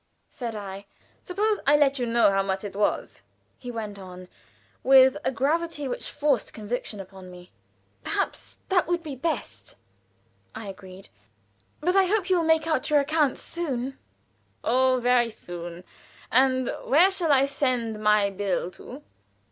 said I. "Suppose I let you know how much it was," he went on, with a gravity which forced conviction upon me. "Perhaps that would be the best," I agreed. "But I hope you will make out your accounts soon." "Oh, very soon. And where shall I send my bill to?"